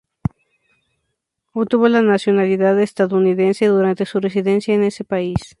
Obtuvo la nacionalidad estadounidense durante su residencia en ese país.